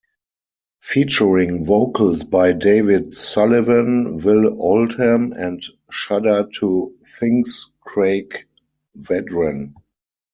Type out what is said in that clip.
Featuring vocals by David Sylvian, Will Oldham and Shudder to Think's Craig Wedren.